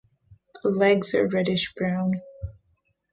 Legs are reddish brown.